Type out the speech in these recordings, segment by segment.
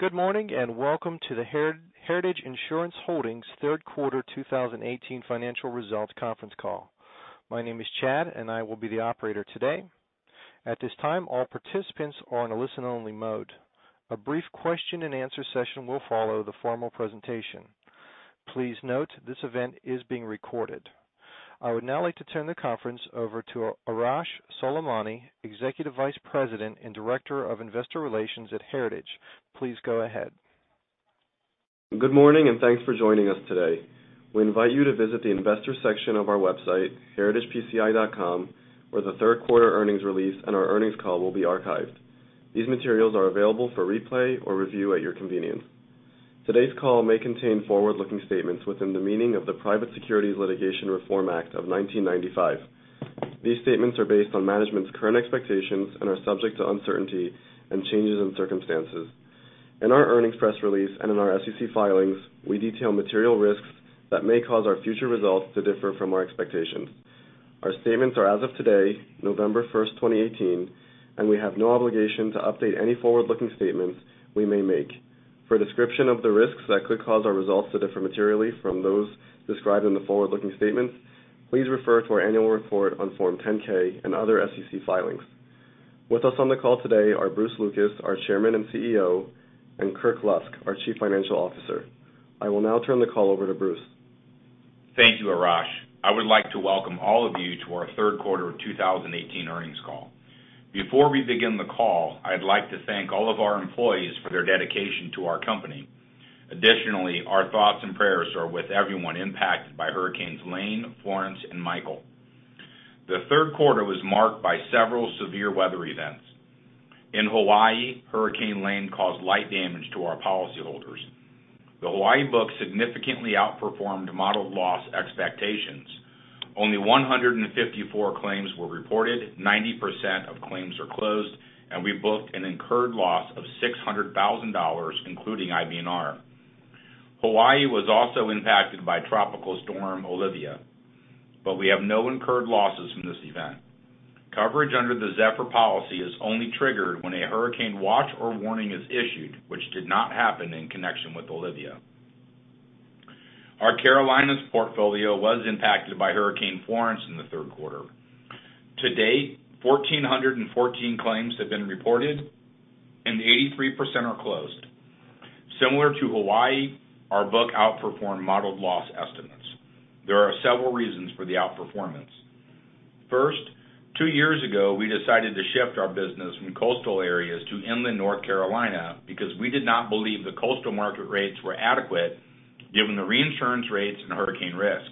Good morning. Welcome to the Heritage Insurance Holdings third quarter 2018 financial results conference call. My name is Chad, and I will be the operator today. At this time, all participants are in a listen-only mode. A brief question and answer session will follow the formal presentation. Please note this event is being recorded. I would now like to turn the conference over to Arash Soleimani, Executive Vice President and Director of Investor Relations at Heritage. Please go ahead. Good morning. Thanks for joining us today. We invite you to visit the investors section of our website, heritagepci.com, where the third quarter earnings release and our earnings call will be archived. These materials are available for replay or review at your convenience. Today's call may contain forward-looking statements within the meaning of the Private Securities Litigation Reform Act of 1995. These statements are based on management's current expectations and are subject to uncertainty and changes in circumstances. In our earnings press release and in our SEC filings, we detail material risks that may cause our future results to differ from our expectations. Our statements are as of today, November 1st, 2018, and we have no obligation to update any forward-looking statements we may make. For a description of the risks that could cause our results to differ materially from those described in the forward-looking statements, please refer to our annual report on Form 10-K and other SEC filings. With us on the call today are Bruce Lucas, our Chairman and CEO, and Kirk Lusk, our Chief Financial Officer. I will now turn the call over to Bruce. Thank you, Arash. I would like to welcome all of you to our third quarter of 2018 earnings call. Before we begin the call, I'd like to thank all of our employees for their dedication to our company. Our thoughts and prayers are with everyone impacted by Hurricane Lane, Hurricane Florence, and Hurricane Michael. The third quarter was marked by several severe weather events. In Hawaii, Hurricane Lane caused light damage to our policyholders. The Hawaii book significantly outperformed modeled loss expectations. Only 154 claims were reported, 90% of claims are closed, and we booked an incurred loss of $600,000, including IBNR. Hawaii was also impacted by Tropical Storm Olivia, but we have no incurred losses from this event. Coverage under the Zephyr policy is only triggered when a hurricane watch or warning is issued, which did not happen in connection with Olivia. Our Carolinas portfolio was impacted by Hurricane Florence in the third quarter. To date, 1,414 claims have been reported and 83% are closed. Similar to Hawaii, our book outperformed modeled loss estimates. There are several reasons for the outperformance. First, two years ago, we decided to shift our business from coastal areas to inland North Carolina because we did not believe the coastal market rates were adequate given the reinsurance rates and hurricane risk.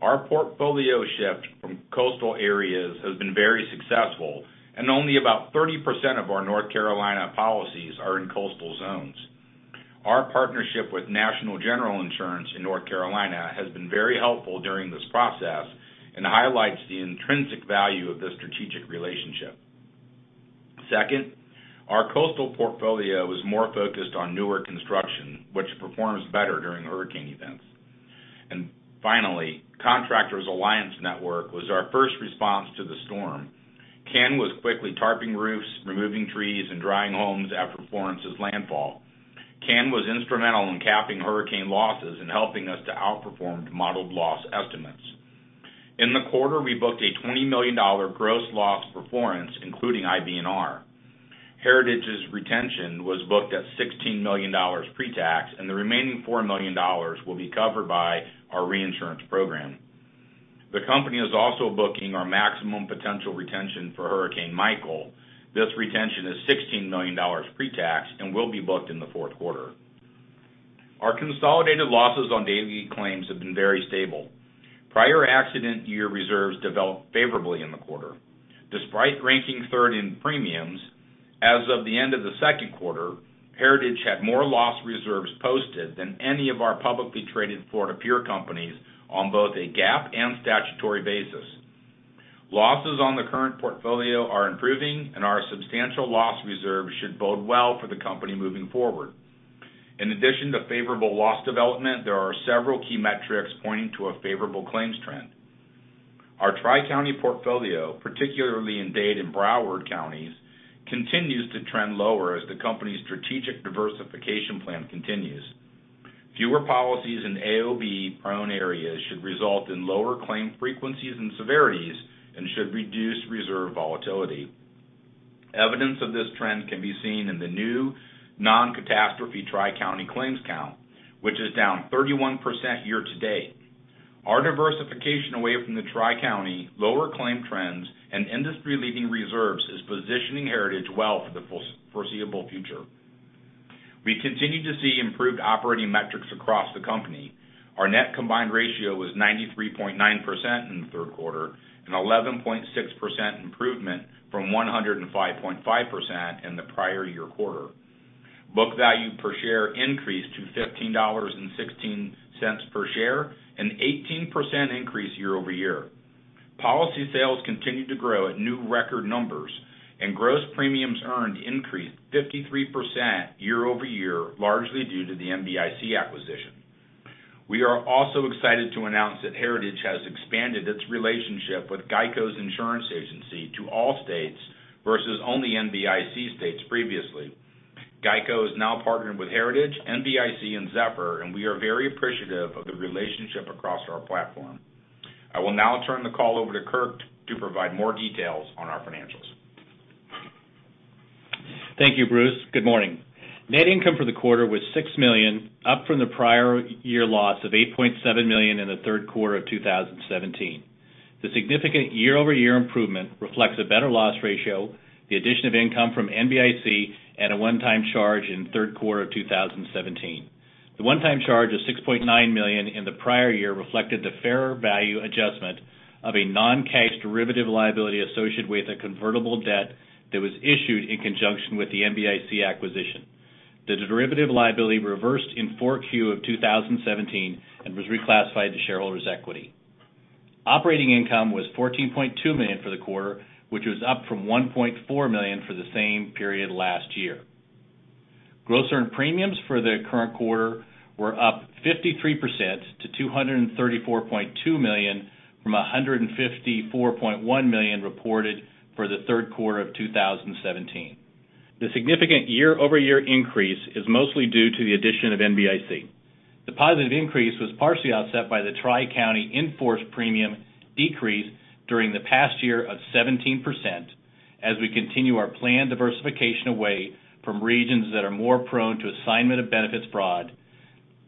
Our portfolio shift from coastal areas has been very successful, and only about 30% of our North Carolina policies are in coastal zones. Our partnership with National General Insurance in North Carolina has been very helpful during this process and highlights the intrinsic value of this strategic relationship. Second, our coastal portfolio was more focused on newer construction, which performs better during hurricane events. Finally, Contractors Alliance Network was our first response to the storm. CAN was quickly tarping roofs, removing trees, and drying homes after Florence's landfall. CAN was instrumental in capping hurricane losses and helping us to outperform modeled loss estimates. In the quarter, we booked a $20 million gross loss for Florence, including IBNR. Heritage's retention was booked at $16 million pre-tax, and the remaining $4 million will be covered by our reinsurance program. The company is also booking our maximum potential retention for Hurricane Michael. This retention is $16 million pre-tax and will be booked in the fourth quarter. Our consolidated losses on daily claims have been very stable. Prior accident year reserves developed favorably in the quarter. Despite ranking third in premiums, as of the end of the second quarter, Heritage had more loss reserves posted than any of our publicly traded Florida peer companies on both a GAAP and statutory basis. Losses on the current portfolio are improving, our substantial loss reserve should bode well for the company moving forward. In addition to favorable loss development, there are several key metrics pointing to a favorable claims trend. Our Tri-County portfolio, particularly in Dade and Broward counties, continues to trend lower as the company's strategic diversification plan continues. Fewer policies in AOB-prone areas should result in lower claim frequencies and severities and should reduce reserve volatility. Evidence of this trend can be seen in the new non-catastrophe Tri-County claims count, which is down 31% year to date. Our diversification away from the Tri-County lower claim trends and industry-leading reserves is positioning Heritage well for the foreseeable future. We continue to see improved operating metrics across the company. Our net combined ratio was 93.9% in the third quarter, an 11.6% improvement from 105.5% in the prior year quarter. Book value per share increased to $15.16 per share, an 18% increase year over year. Policy sales continued to grow at new record numbers, gross premiums earned increased 53% year over year, largely due to the NBIC acquisition. We are also excited to announce that Heritage has expanded its relationship with GEICO's insurance agency to all states, versus only NBIC states previously. GEICO is now partnered with Heritage, NBIC, and Zephyr, we are very appreciative of the relationship across our platform. I will now turn the call over to Kirk to provide more details on our financials. Thank you, Bruce. Good morning. Net income for the quarter was $6 million, up from the prior year loss of $8.7 million in the third quarter of 2017. The significant year-over-year improvement reflects a better loss ratio, the addition of income from NBIC, and a one-time charge in third quarter of 2017. The one-time charge of $6.9 million in the prior year reflected the fair value adjustment of a non-cash derivative liability associated with a convertible debt that was issued in conjunction with the NBIC acquisition. The derivative liability reversed in 4Q of 2017 and was reclassified to shareholders' equity. Operating income was $14.2 million for the quarter, which was up from $1.4 million for the same period last year. Gross earned premiums for the current quarter were up 53% to $234.2 million, from $154.1 million reported for the third quarter of 2017. The significant year-over-year increase is mostly due to the addition of NBIC. The positive increase was partially offset by the Tri-County in-force premium decrease during the past year of 17%, as we continue our planned diversification away from regions that are more prone to assignment of benefits fraud.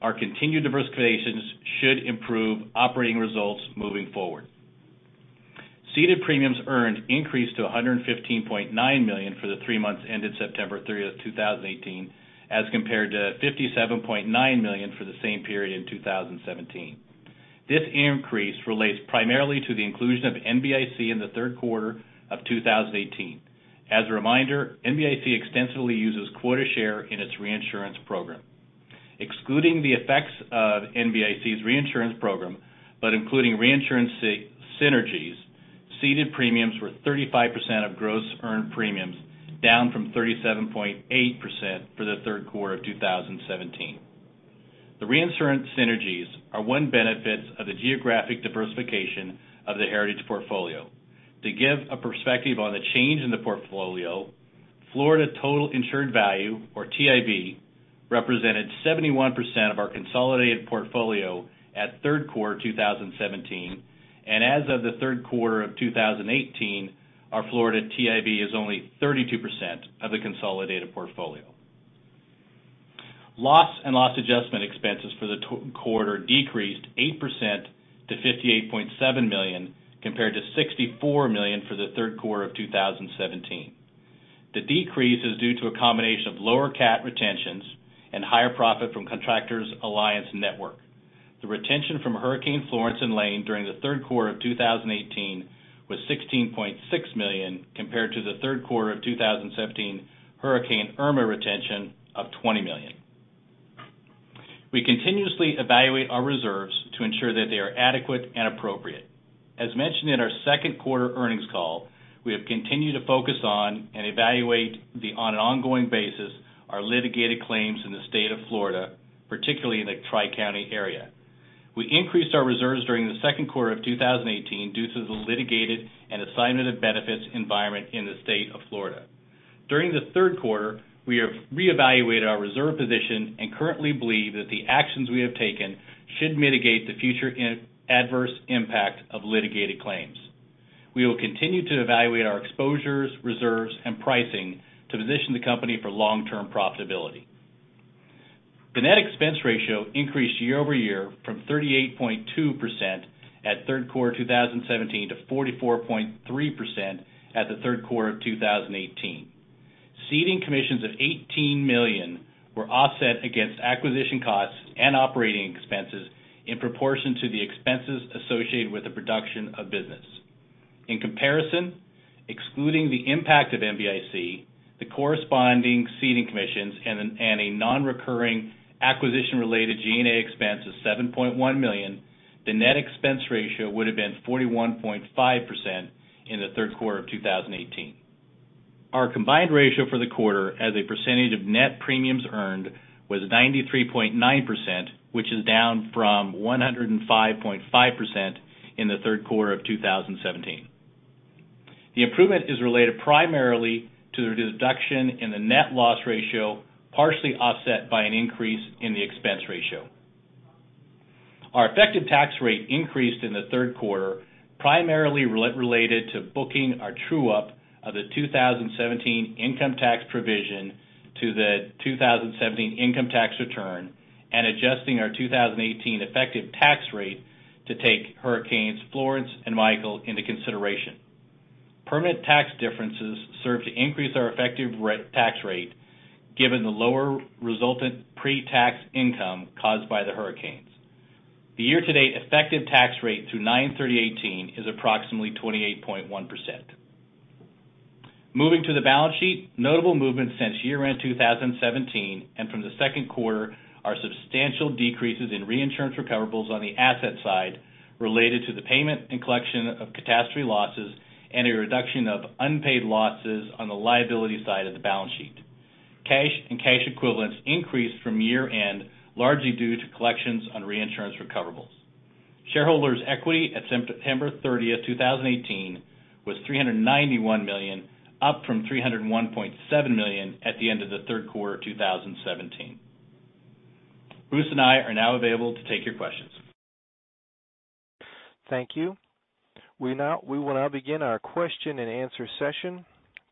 Our continued diversifications should improve operating results moving forward. Ceded premiums earned increased to $115.9 million for the three months ended September 30th, 2018, as compared to $57.9 million for the same period in 2017. This increase relates primarily to the inclusion of NBIC in the third quarter of 2018. As a reminder, NBIC extensively uses quota share in its reinsurance program. Excluding the effects of NBIC's reinsurance program, but including reinsurance synergies, ceded premiums were 35% of gross earned premiums, down from 37.8% for the third quarter of 2017. The reinsurance synergies are one benefit of the geographic diversification of the Heritage portfolio. To give a perspective on the change in the portfolio, Florida total insured value, or TIV, represented 71% of our consolidated portfolio at third quarter 2017, and as of the third quarter of 2018, our Florida TIV is only 32% of the consolidated portfolio. Loss and loss adjustment expenses for the quarter decreased 8% to $58.7 million, compared to $64 million for the third quarter of 2017. The decrease is due to a combination of lower cat retentions and higher profit from Contractors Alliance Network. The retention from Hurricane Florence and Lane during the third quarter of 2018 was $16.6 million, compared to the third quarter of 2017, Hurricane Irma retention of $20 million. We continuously evaluate our reserves to ensure that they are adequate and appropriate. As mentioned in our second quarter earnings call, we have continued to focus on and evaluate on an ongoing basis our litigated claims in the state of Florida, particularly in the Tri-County area. We increased our reserves during the second quarter of 2018 due to the litigated and assignment of benefits environment in the state of Florida. During the third quarter, we have reevaluated our reserve position and currently believe that the actions we have taken should mitigate the future adverse impact of litigated claims. We will continue to evaluate our exposures, reserves, and pricing to position the company for long-term profitability. The net expense ratio increased year-over-year from 38.2% at third quarter 2017 to 44.3% at the third quarter of 2018. Ceding commissions of $18 million were offset against acquisition costs and operating expenses in proportion to the expenses associated with the production of business. In comparison, excluding the impact of NBIC, the corresponding ceding commissions, and a non-recurring acquisition-related G&A expense of $7.1 million, the net expense ratio would've been 41.5% in the third quarter of 2018. Our combined ratio for the quarter as a percentage of net premiums earned was 93.9%, which is down from 105.5% in the third quarter of 2017. The improvement is related primarily to the deduction in the net loss ratio, partially offset by an increase in the expense ratio. Our effective tax rate increased in the third quarter, primarily related to booking our true-up of the 2017 income tax provision to the 2017 income tax return and adjusting our 2018 effective tax rate to take Hurricanes Florence and Michael into consideration. Permanent tax differences serve to increase our effective tax rate given the lower resultant pre-tax income caused by the hurricanes. The year-to-date effective tax rate through 09/30/2018 is approximately 28.1%. Moving to the balance sheet, notable movements since year-end 2017 and from the second quarter are substantial decreases in reinsurance recoverables on the asset side related to the payment and collection of catastrophe losses and a reduction of unpaid losses on the liability side of the balance sheet. Cash and cash equivalents increased from year-end, largely due to collections on reinsurance recoverables. Shareholders' equity at September 30th, 2018 was $391 million, up from $301.7 million at the end of the third quarter of 2017. Bruce and I are now available to take your questions. Thank you. We will now begin our question and answer session.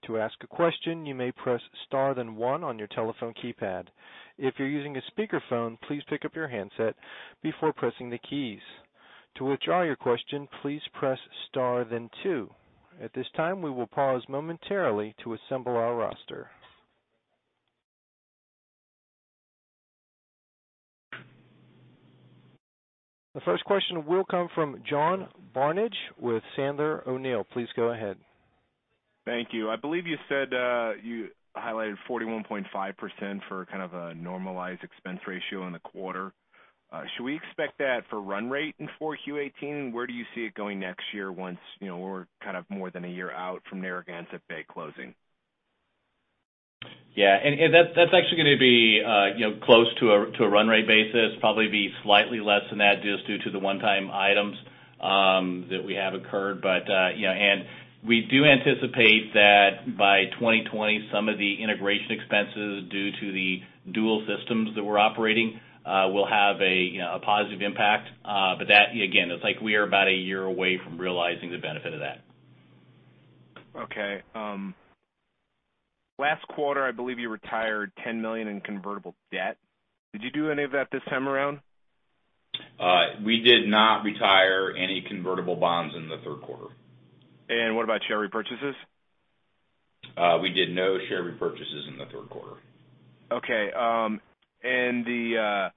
To ask a question, you may press star then one on your telephone keypad. If you're using a speakerphone, please pick up your handset before pressing the keys. To withdraw your question, please press star then two. At this time, we will pause momentarily to assemble our roster. The first question will come from John Barnidge with Sandler O'Neill. Please go ahead. Thank you. I believe you said you highlighted 41.5% for kind of a normalized expense ratio in the quarter. Should we expect that for run rate in 4Q18? Where do you see it going next year once we're kind of more than a year out from Narragansett Bay closing? Yeah. That's actually going to be close to a run rate basis, probably be slightly less than that just due to the one-time items that we have occurred. We do anticipate that by 2020, some of the integration expenses due to the dual systems that we're operating will have a positive impact. That, again, it's like we are about a year away from realizing the benefit of that. Okay. Last quarter, I believe you retired $10 million in convertible debt. Did you do any of that this time around? We did not retire any convertible bonds in the third quarter. What about share repurchases? We did no share repurchases in the third quarter. Okay. The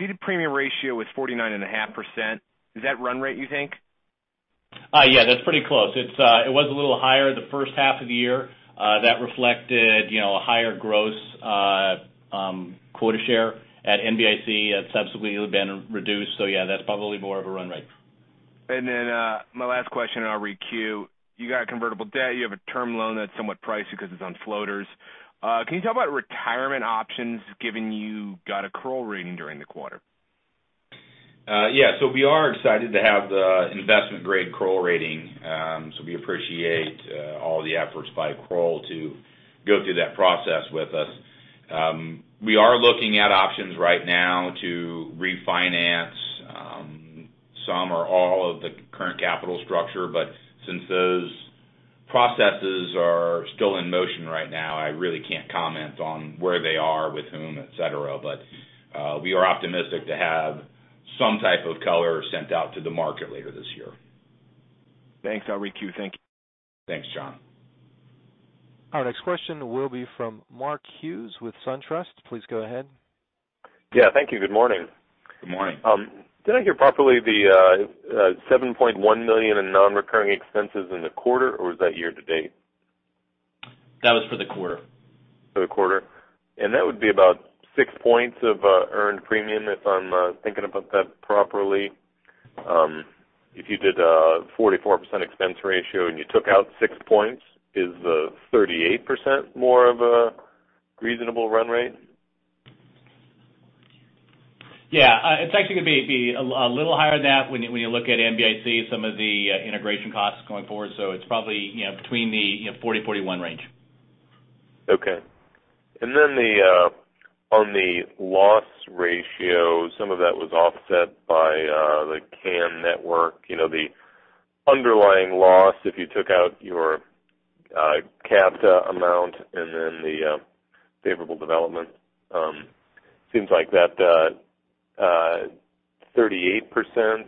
ceded premium ratio was 49.5%. Is that run rate, you think? Yeah. That's pretty close. It was a little higher the first half of the year. That reflected a higher gross quota share at NBIC. That's subsequently been reduced. Yeah, that's probably more of a run rate. My last question, I'll re-queue. You got a convertible debt, you have a term loan that's somewhat pricey because it's on floaters. Can you talk about retirement options given you got a Kroll rating during the quarter? We are excited to have the investment grade Kroll rating. We appreciate all the efforts by Kroll to go through that process with us. We are looking at options right now to refinance some or all of the current capital structure. Since those processes are still in motion right now, I really can't comment on where they are, with whom, et cetera. We are optimistic to have some type of color sent out to the market later this year. Thanks. I'll re-queue. Thank you. Thanks, John. Our next question will be from Mark Hughes with SunTrust. Please go ahead. Yeah, thank you. Good morning. Good morning. Did I hear properly the $7.1 million in non-recurring expenses in the quarter? Was that year to date? That was for the quarter. For the quarter. That would be about six points of earned premium, if I'm thinking about that properly. If you did a 44% expense ratio and you took out six points, is the 38% more of a reasonable run rate? Yeah. It's actually going to be a little higher than that when you look at NBIC, some of the integration costs going forward. It's probably between the 40, 41 range. Okay. On the loss ratio, some of that was offset by the CAN network, the underlying loss, if you took out your cat amount and then the favorable development. Seems like that 38%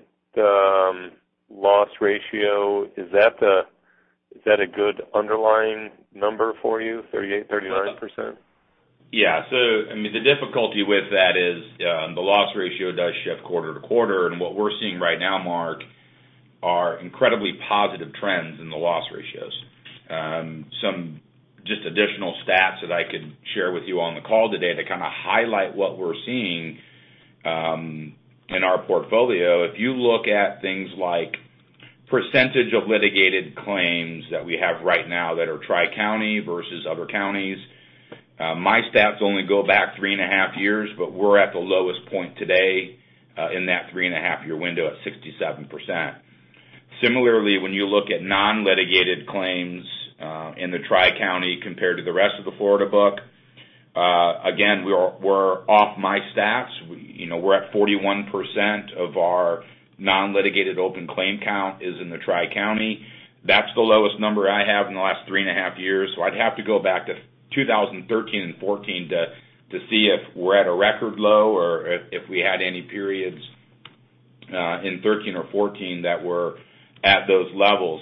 loss ratio, is that a good underlying number for you, 38%-39%? The difficulty with that is the loss ratio does shift quarter to quarter. What we're seeing right now, Mark, are incredibly positive trends in the loss ratios. Some just additional stats that I could share with you on the call today to kind of highlight what we're seeing in our portfolio. If you look at things like percentage of litigated claims that we have right now that are Tri-County versus other counties, my stats only go back three and a half years, but we're at the lowest point today in that three-and-a-half-year window at 67%. Similarly, when you look at non-litigated claims in the Tri-County compared to the rest of the Florida book, again, we're off my stats. We're at 41% of our non-litigated open claim count is in the Tri-County. That's the lowest number I have in the last three and a half years, I'd have to go back to 2013 and 2014 to see if we're at a record low or if we had any periods in 2013 or 2014 that were at those levels.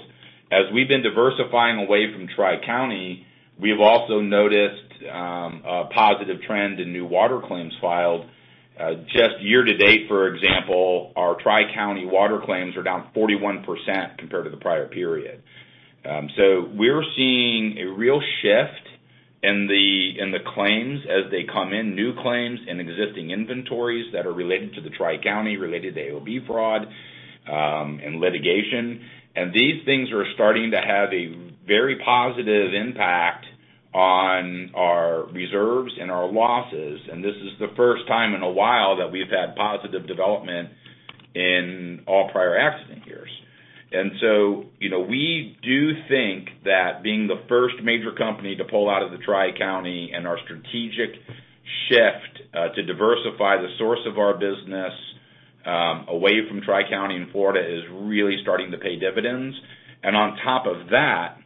As we've been diversifying away from Tri-County, we've also noticed a positive trend in new water claims filed. Just year to date, for example, our Tri-County water claims are down 41% compared to the prior period. We're seeing a real shift in the claims as they come in, new claims and existing inventories that are related to the Tri-County, related to AOB fraud and litigation. These things are starting to have a very positive impact on our reserves and our losses. This is the first time in a while that we've had positive development in all prior accident years. We do think that being the first major company to pull out of the Tri-County and our strategic shift to diversify the source of our business away from Tri-County and Florida is really starting to pay dividends. On top of that,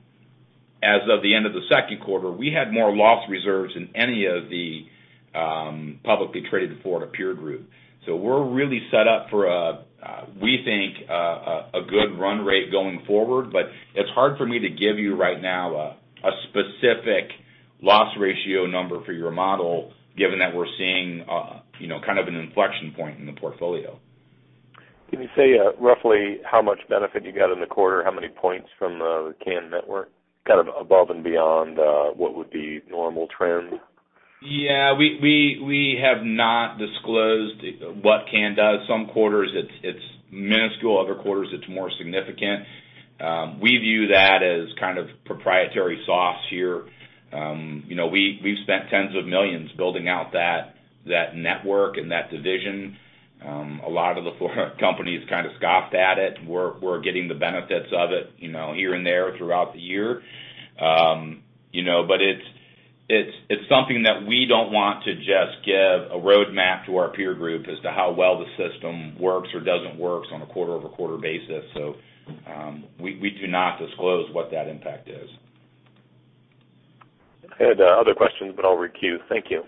as of the end of the second quarter, we had more loss reserves than any of the publicly traded Florida peer group. We're really set up for a, we think, a good run rate going forward. It's hard for me to give you right now a specific loss ratio number for your model, given that we're seeing an inflection point in the portfolio. Can you say roughly how much benefit you got in the quarter? How many points from the CAN network above and beyond what would be normal trend? Yeah. We have not disclosed what CAN does. Some quarters it's minuscule, other quarters it's more significant. We view that as proprietary sauce here. We've spent tens of millions building out that network and that division. A lot of the Florida companies scoffed at it. We're getting the benefits of it here and there throughout the year. It's something that we don't want to just give a roadmap to our peer group as to how well the system works or doesn't work on a quarter-over-quarter basis. We do not disclose what that impact is. I had other questions, but I'll re-queue. Thank you.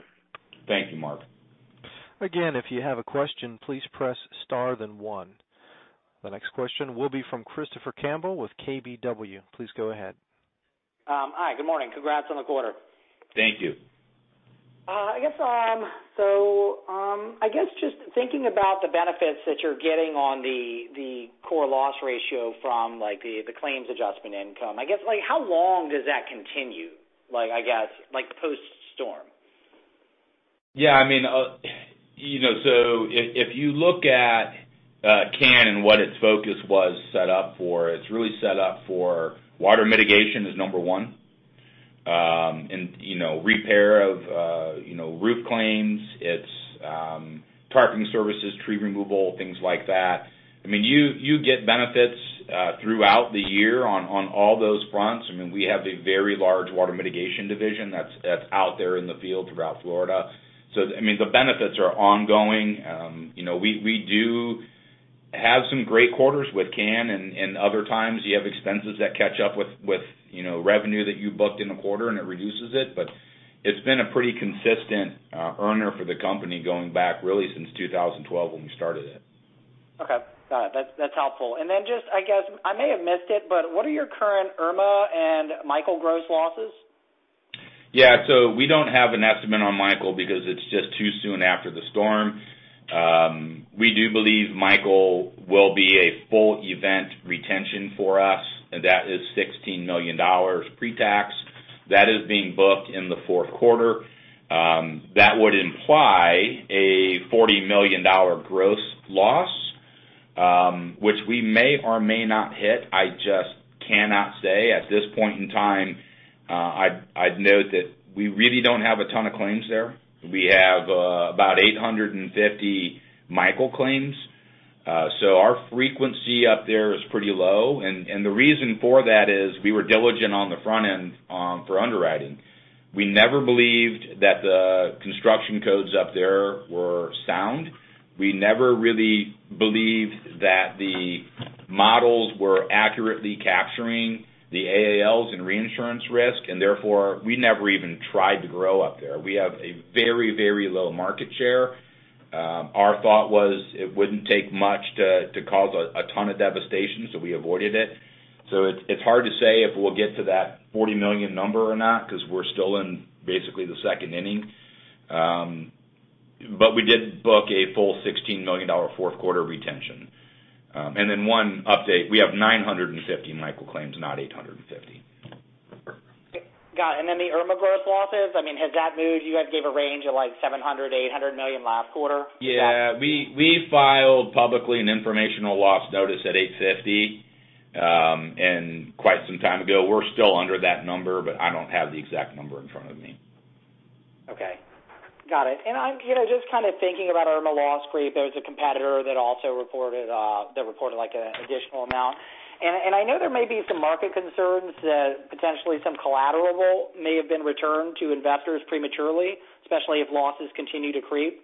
Thank you, Mark. Again, if you have a question, please press star, then one. The next question will be from Christopher Campbell with KBW. Please go ahead. Hi, good morning. Congrats on the quarter. Thank you. I guess just thinking about the benefits that you're getting on the core loss ratio from the claims adjustment income, I guess how long does that continue post-storm? If you look at CAN and what its focus was set up for, it's really set up for water mitigation as number 1, and repair of roof claims. It's tarping services, tree removal, things like that. You get benefits throughout the year on all those fronts. We have a very large water mitigation division that's out there in the field throughout Florida. The benefits are ongoing. We do have some great quarters with CAN, and other times you have expenses that catch up with revenue that you booked in a quarter, and it reduces it. It's been a pretty consistent earner for the company going back really since 2012 when we started it. Okay. Got it. That's helpful. Just, I guess, I may have missed it, but what are your current Hurricane Irma and Hurricane Michael gross losses? Yeah. We don't have an estimate on Hurricane Michael because it's just too soon after the storm. We do believe Hurricane Michael will be a full event retention for us, and that is $16 million pre-tax. That is being booked in the fourth quarter. That would imply a $40 million gross loss, which we may or may not hit. I just cannot say at this point in time. I'd note that we really don't have a ton of claims there. We have about 850 Hurricane Michael claims. Our frequency up there is pretty low, and the reason for that is we were diligent on the front end for underwriting. We never believed that the construction codes up there were sound. We never really believed that the models were accurately capturing the AALs and reinsurance risk. Therefore, we never even tried to grow up there. We have a very low market share. Our thought was it wouldn't take much to cause a ton of devastation, we avoided it. It's hard to say if we'll get to that $40 million number or not because we're still in basically the second inning. We did book a full $16 million fourth quarter retention. One update, we have 950 Hurricane Michael claims, not 850. Got it. The Hurricane Irma gross losses, has that moved? You guys gave a range of like $700 million-$800 million last quarter. Yeah. We filed publicly an informational loss notice at $850 quite some time ago. We're still under that number, but I don't have the exact number in front of me. Okay. Got it. I'm just kind of thinking about Irma loss, there's a competitor that also reported an additional amount. I know there may be some market concerns that potentially some collateral may have been returned to investors prematurely, especially if losses continue to creep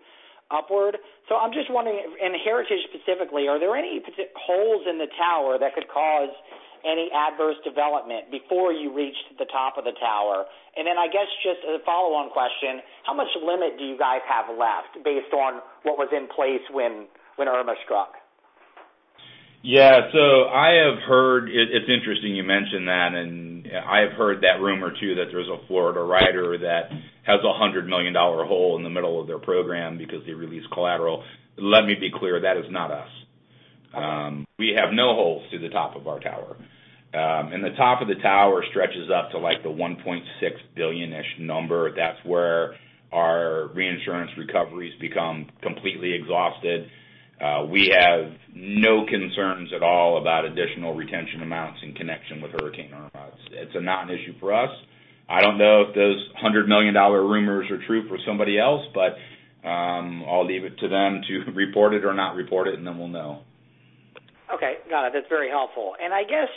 upward. I'm just wondering, in Heritage specifically, are there any holes in the tower that could cause any adverse development before you reach the top of the tower? Then I guess just as a follow-on question, how much limit do you guys have left based on what was in place when Irma struck? Yeah. It's interesting you mention that, I have heard that rumor too, that there's a Florida writer that has a $100 million hole in the middle of their program because they released collateral. Let me be clear, that is not us. We have no holes through the top of our tower. The top of the tower stretches up to like the $1.6 billion-ish number. That's where our reinsurance recoveries become completely exhausted. We have no concerns at all about additional retention amounts in connection with Hurricane Irma. It's not an issue for us. I don't know if those $100 million rumors are true for somebody else, I'll leave it to them to report it or not report it, then we'll know. Okay, got it. That's very helpful. I guess,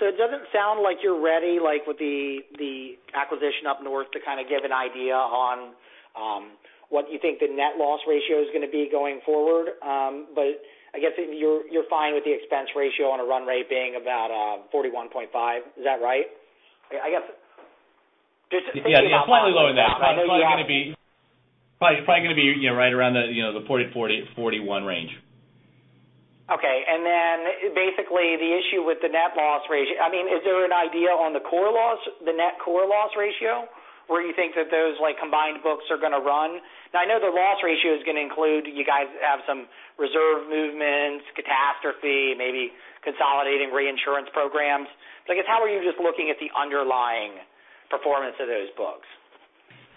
it doesn't sound like you're ready, like with the acquisition up north to kind of give an idea on what you think the net loss ratio is going to be going forward. I guess you're fine with the expense ratio on a run rate being about 41.5%. Is that right? Yeah. Slightly lower than that. It's probably going to be right around the 40, 41 range. Okay. Basically the issue with the net loss ratio, is there an idea on the net core loss ratio where you think that those combined books are going to run? I know the loss ratio is going to include you guys have some reserve movements, catastrophe, maybe consolidating reinsurance programs. I guess how are you just looking at the underlying performance of those books?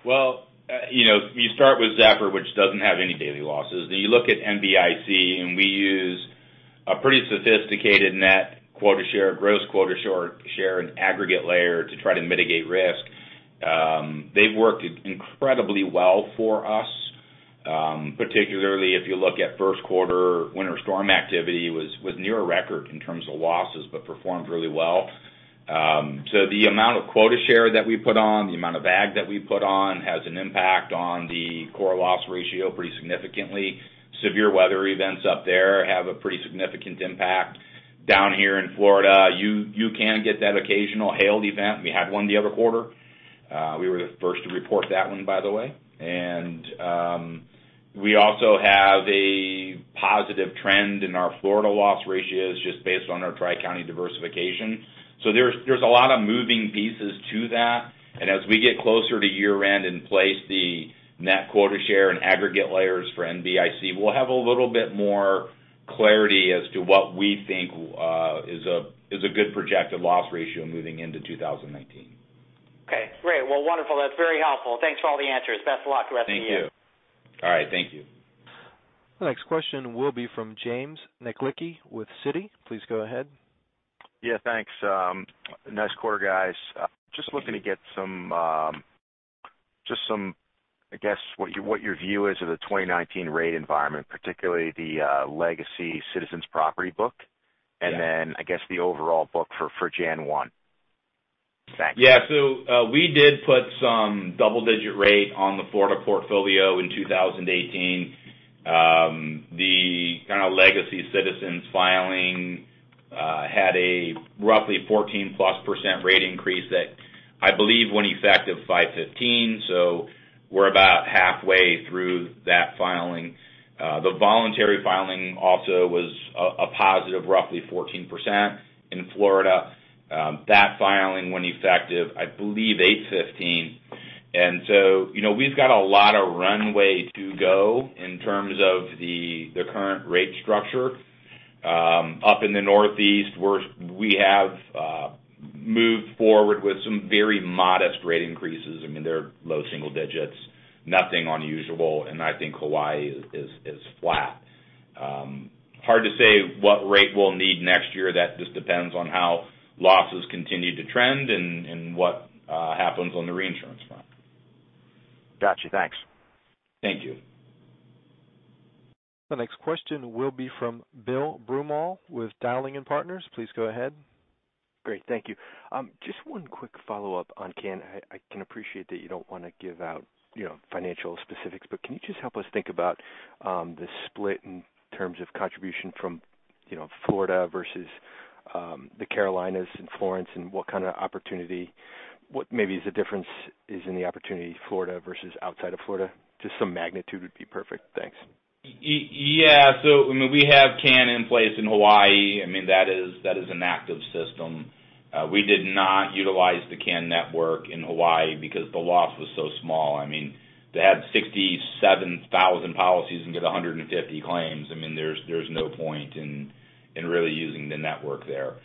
Well, you start with Zephyr, which doesn't have any daily losses. You look at NBIC, and we use a pretty sophisticated net quota share, gross quota share, and aggregate layer to try to mitigate risk. They've worked incredibly well for us, particularly if you look at first quarter winter storm activity was near a record in terms of losses, but performed really well. The amount of quota share that we put on, the amount of agg that we put on, has an impact on the core loss ratio pretty significantly. Severe weather events up there have a pretty significant impact. Down here in Florida, you can get that occasional hail event. We had one the other quarter. We were the first to report that one, by the way. We also have a positive trend in our Florida loss ratios just based on our Tri-County diversification. There's a lot of moving pieces to that, and as we get closer to year-end and place the net quota share and aggregate layers for NBIC, we'll have a little bit more clarity as to what we think is a good projected loss ratio moving into 2019. Okay, great. Well, wonderful. That's very helpful. Thanks for all the answers. Best of luck the rest of the year. Thank you. All right, thank you. The next question will be from James Shuck with Citi. Please go ahead. Yeah, thanks. Nice quarter, guys. Just looking to get, I guess, what your view is of the 2019 rate environment, particularly the legacy Citizens property book. Yeah. I guess the overall book for January 1. Thanks. We did put some double-digit rate on the Florida portfolio in 2018. The kind of legacy Citizens filing had a roughly 14+% rate increase that I believe went effective 5/15, so we're about halfway through that filing. The voluntary filing also was a positive, roughly 14% in Florida. That filing went effective, I believe, 8/15. We've got a lot of runway to go in terms of the current rate structure. Up in the Northeast, we have moved forward with some very modest rate increases. They're low single digits, nothing unusual, and I think Hawaii is flat. Hard to say what rate we'll need next year. That just depends on how losses continue to trend and what happens on the reinsurance front. Got you. Thanks. Thank you. The next question will be from Bill Brummel with Dowling & Partners. Please go ahead. Great. Thank you. Just one quick follow-up on CAN. I can appreciate that you don't want to give out financial specifics, can you just help us think about the split in terms of contribution from Florida versus the Carolinas and Florence, and what kind of opportunity, what maybe is the difference is in the opportunity Florida versus outside of Florida? Just some magnitude would be perfect. Thanks. Yeah. We have CAN in place in Hawaii. That is an active system. We did not utilize the CAN network in Hawaii because the loss was so small. They had 67,000 policies and get 150 claims. There's no point in really using the network there.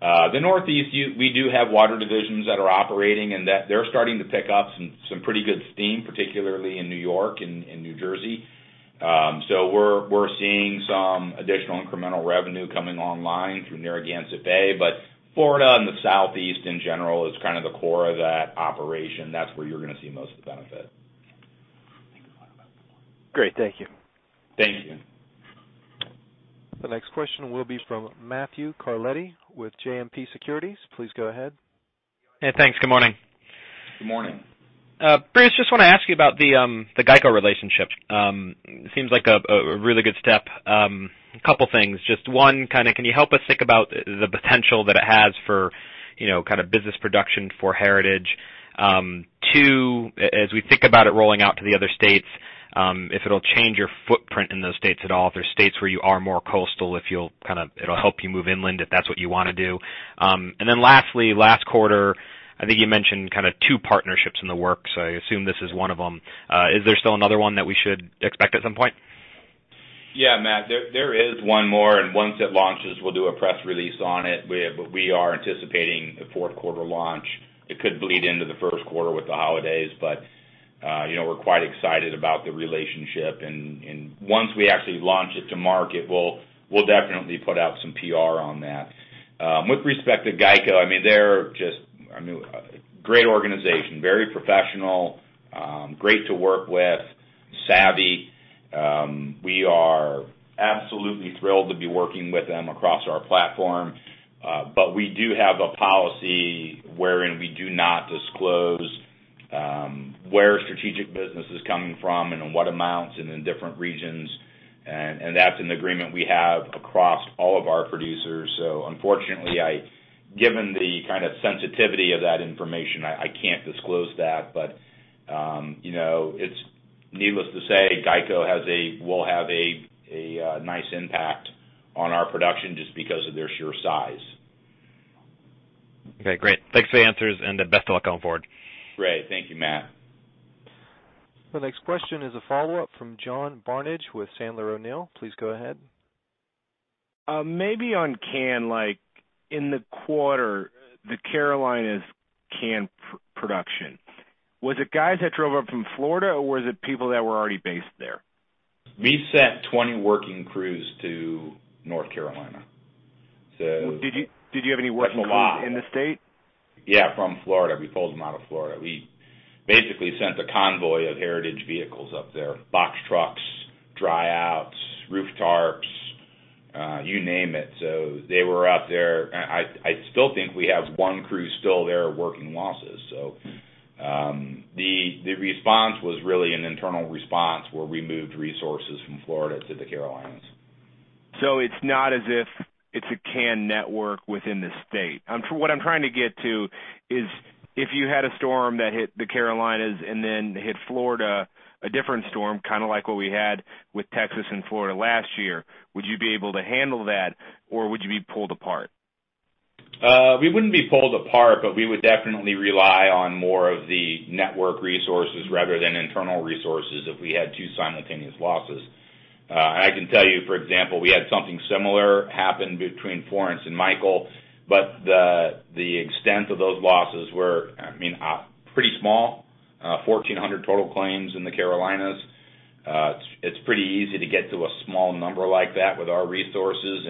The Northeast, we do have water divisions that are operating, and they're starting to pick up some pretty good steam, particularly in New York and New Jersey. We're seeing some additional incremental revenue coming online through Narragansett Bay. Florida and the Southeast in general is kind of the core of that operation. That's where you're going to see most of the benefit. Great, thank you. Thank you. The next question will be from Matthew Carletti with JMP Securities. Please go ahead. Yeah, thanks. Good morning. Good morning. Bruce, just want to ask you about the GEICO relationship. It seems like a really good step. Couple things. Just one, can you help us think about the potential that it has for kind of business production for Heritage? Two, as we think about it rolling out to the other states, if it'll change your footprint in those states at all, if there's states where you are more coastal, if it'll help you move inland, if that's what you want to do. Lastly, last quarter, I think you mentioned kind of two partnerships in the works. I assume this is one of them. Is there still another one that we should expect at some point? Yeah, Matt, there is one more. Once it launches, we'll do a press release on it. We are anticipating a fourth quarter launch. It could bleed into the first quarter with the holidays. We're quite excited about the relationship, and once we actually launch it to market, we'll definitely put out some PR on that. With respect to GEICO, they're just a great organization. Very professional, great to work with, savvy. We are absolutely thrilled to be working with them across our platform. We do have a policy wherein we do not disclose where strategic business is coming from, and in what amounts, and in different regions. That's an agreement we have across all of our producers. Unfortunately, given the kind of sensitivity of that information, I can't disclose that. Needless to say, GEICO will have a nice impact on our production just because of their sheer size. Okay, great. Thanks for the answers, best of luck going forward. Great. Thank you, Matt. The next question is a follow-up from John Barnidge with Sandler O'Neill. Please go ahead. Maybe on CAN, in the quarter, the Carolinas CAN production, was it guys that drove up from Florida, or was it people that were already based there? We sent 20 working crews to North Carolina. Did you have any working crews- That's a lot in the state? Yeah, from Florida. We pulled them out of Florida. We basically sent a convoy of Heritage vehicles up there. Box trucks, dry outs, roof tarps, you name it. They were out there. I still think we have one crew still there working losses. The response was really an internal response where we moved resources from Florida to the Carolinas. It's not as if it's a CAN network within the state. What I'm trying to get to is if you had a storm that hit the Carolinas and then hit Florida, a different storm, kind of like what we had with Texas and Florida last year, would you be able to handle that or would you be pulled apart? We wouldn't be pulled apart, but we would definitely rely on more of the network resources rather than internal resources if we had two simultaneous losses. I can tell you, for example, we had something similar happen between Florence and Michael, but the extent of those losses were pretty small, 1,400 total claims in the Carolinas. It's pretty easy to get to a small number like that with our resources.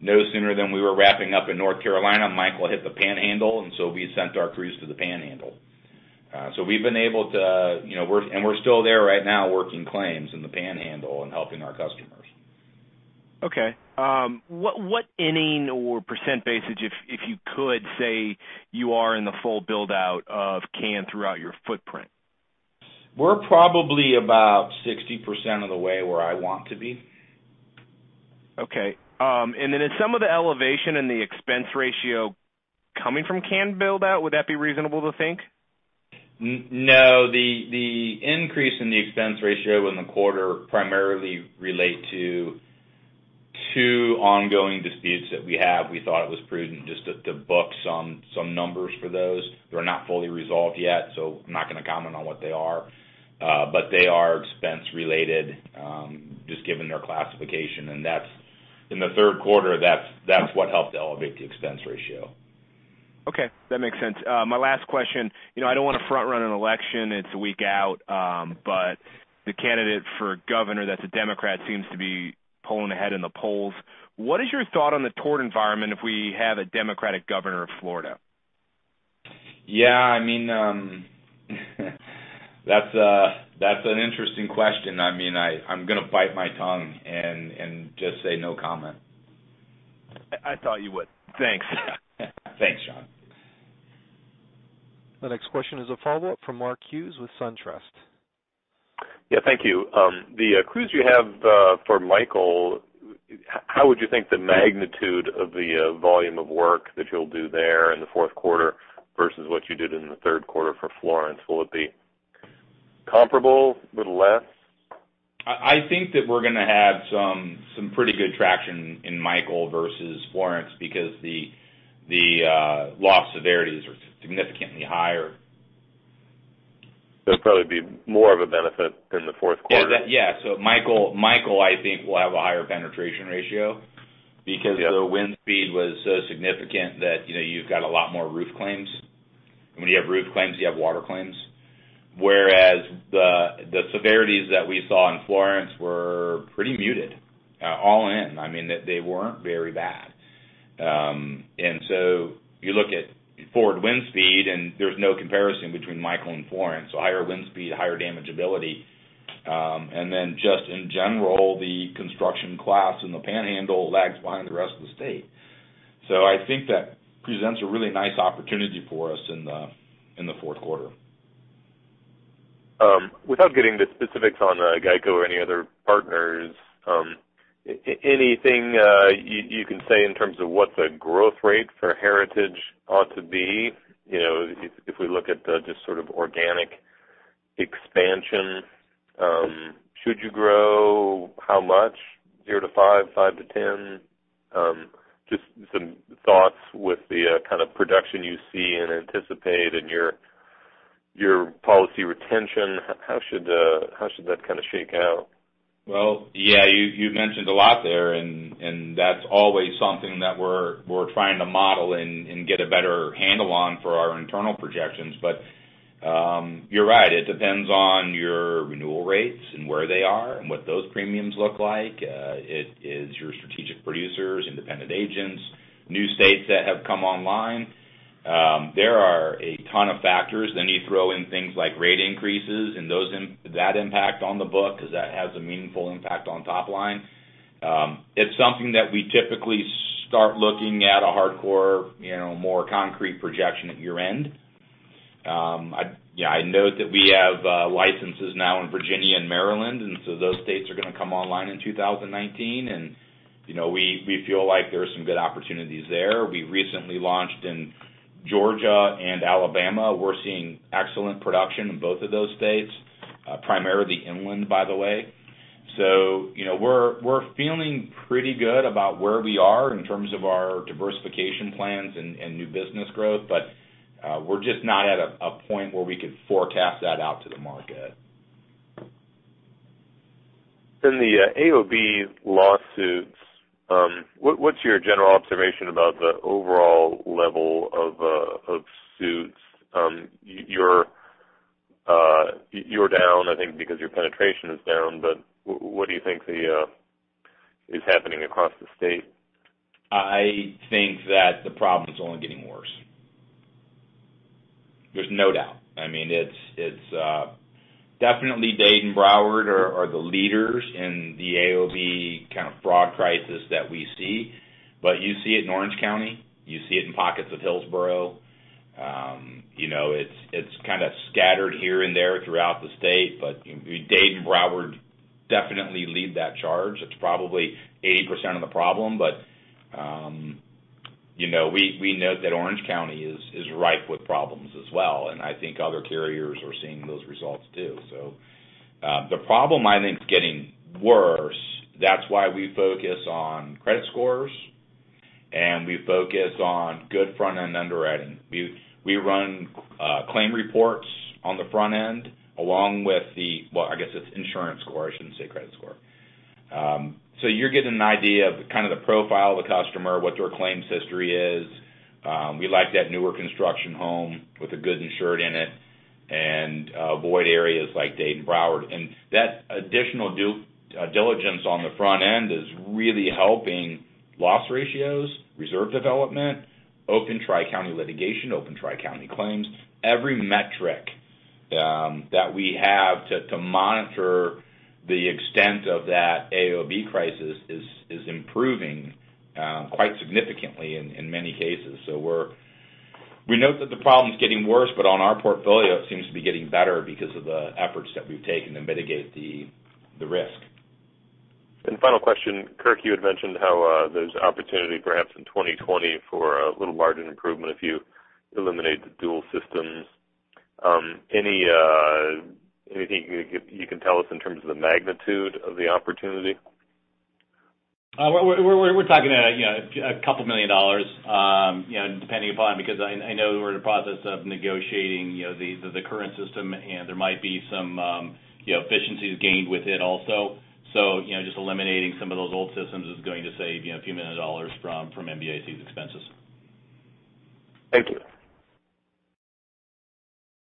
No sooner than we were wrapping up in North Carolina, Michael hit the Panhandle, and so we sent our crews to the Panhandle. We're still there right now working claims in the Panhandle and helping our customers. Okay. What inning or percent basis, if you could say you are in the full build-out of CAN throughout your footprint? We're probably about 60% of the way where I want to be. Okay. Is some of the elevation in the expense ratio coming from CAN build-out? Would that be reasonable to think? No. The increase in the expense ratio in the quarter primarily relates to two ongoing disputes that we have. We thought it was prudent just to book some numbers for those. They're not fully resolved yet. I'm not going to comment on what they are. They are expense related, just given their classification. In the third quarter, that's what helped elevate the expense ratio. Okay. That makes sense. My last question. I don't want to front run an election, it's a week out. The candidate for governor that's a Democrat seems to be pulling ahead in the polls. What is your thought on the tort environment if we have a Democratic governor of Florida? Yeah. That's an interesting question. I'm going to bite my tongue and just say no comment. I thought you would. Thanks. Thanks, John. The next question is a follow-up from Mark Hughes with SunTrust. Yeah, thank you. The crews you have for Michael, how would you think the magnitude of the volume of work that you'll do there in the fourth quarter versus what you did in the third quarter for Florence? Will it be comparable? Little less? I think that we're going to have some pretty good traction in Hurricane Michael versus Hurricane Florence because the loss severities are significantly higher. There'll probably be more of a benefit in the fourth quarter. Yeah. Hurricane Michael, I think, will have a higher penetration ratio because the wind speed was so significant that you've got a lot more roof claims. When you have roof claims, you have water claims. Whereas the severities that we saw in Hurricane Florence were pretty muted, all in. They weren't very bad. You look at forward wind speed, and there's no comparison between Hurricane Michael and Hurricane Florence. Higher wind speed, higher damage ability. Then just in general, the construction class in the Panhandle lags behind the rest of the state. I think that presents a really nice opportunity for us in the fourth quarter. Without getting into specifics on GEICO or any other partners, anything you can say in terms of what the growth rate for Heritage ought to be? If we look at just sort of organic expansion, should you grow? How much? 0 to five? five to 10? Just some thoughts with the kind of production you see and anticipate and your policy retention. How should that kind of shake out? Well, yeah, you've mentioned a lot there. That's always something that we're trying to model and get a better handle on for our internal projections. You're right, it depends on your renewal rates and where they are and what those premiums look like. It is your strategic producers, independent agents, new states that have come online. There are a ton of factors. You throw in things like rate increases and that impact on the book because that has a meaningful impact on top line. It's something that we typically start looking at a hardcore, more concrete projection at year-end. I note that we have licenses now in Virginia and Maryland. Those states are going to come online in 2019, and we feel like there are some good opportunities there. We recently launched in Georgia and Alabama. We're seeing excellent production in both of those states, primarily inland, by the way. We're feeling pretty good about where we are in terms of our diversification plans and new business growth. We're just not at a point where we could forecast that out to the market. In the AOB lawsuits, what's your general observation about the overall level of suits? You're down, I think, because your penetration is down, what do you think is happening across the state? I think that the problem's only getting worse. There's no doubt. Definitely Dade and Broward are the leaders in the AOB kind of fraud crisis that we see. You see it in Orange County, you see it in pockets of Hillsborough. It's kind of scattered here and there throughout the state. Dade and Broward definitely lead that charge. It's probably 80% of the problem. We note that Orange County is rife with problems as well. I think other carriers are seeing those results, too. The problem, I think, is getting worse. That's why we focus on credit scores. We focus on good front-end underwriting. We run claim reports on the front end, along with the Well, I guess it's insurance score. I shouldn't say credit score. You're getting an idea of kind of the profile of the customer, what their claims history is. We like that newer construction home with a good insured in it and avoid areas like Dade and Broward. That additional due diligence on the front end is really helping loss ratios, reserve development, open Tri-County litigation, open Tri-County claims. Every metric that we have to monitor the extent of that AOB crisis is improving quite significantly in many cases. We note that the problem's getting worse, but on our portfolio, it seems to be getting better because of the efforts that we've taken to mitigate the risk. Final question. Kirk, you had mentioned how there's opportunity perhaps in 2020 for a little margin improvement if you eliminate the dual systems. Anything you can tell us in terms of the magnitude of the opportunity? We're talking a couple million dollars, depending upon, because I know we're in the process of negotiating the current system, and there might be some efficiencies gained with it also. Just eliminating some of those old systems is going to save a few million dollars from NBIC's expenses. Thank you.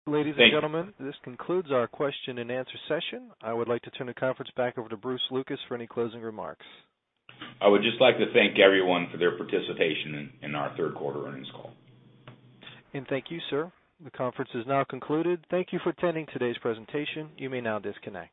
Ladies and gentlemen, this concludes our question-and-answer session. I would like to turn the conference back over to Bruce Lucas for any closing remarks. I would just like to thank everyone for their participation in our third quarter earnings call. Thank you, sir. The conference is now concluded. Thank you for attending today's presentation. You may now disconnect.